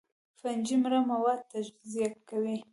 فنجي مړه مواد تجزیه کوي